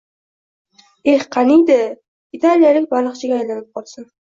Eh, qaniydi, italiyalik baliqchiga aylanib qolsam.